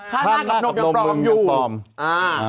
ถ้าร่างดกับนมยังปลอมอยู่